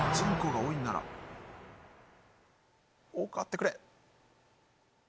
多くあってくれ。